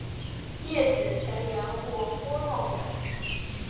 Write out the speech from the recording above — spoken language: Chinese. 叶纸全缘或波状缘。